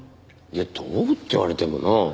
いやどうって言われてもな。